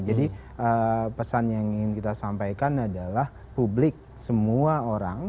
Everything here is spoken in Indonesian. jadi pesan yang ingin kita sampaikan adalah publik semua orang